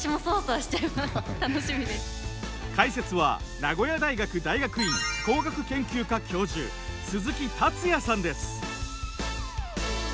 解説は名古屋大学大学院工学研究科教授鈴木達也さんです。